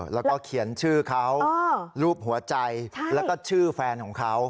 แล้วก็เขียนชื่อเขารูปหัวใจแล้วก็ชื่อแฟนของเขา